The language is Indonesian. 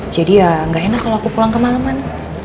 jadi ya gak enak kalau aku pulang kemaleman